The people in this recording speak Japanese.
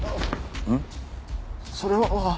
うん？それは。